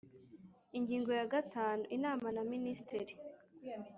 Ingingo ya gatanu Inama na Minisiteri